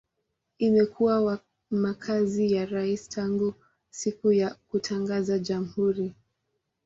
Imekuwa makazi ya rais tangu siku ya kutangaza jamhuri.